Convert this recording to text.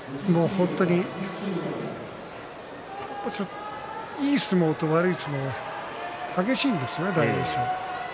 本当にいい相撲と悪い相撲激しいですよね大栄翔。